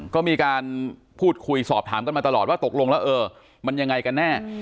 ก็มีการพูดคุยสอบถามกันมาตลอดว่าตกลงแล้วเออมันยังไงกันแน่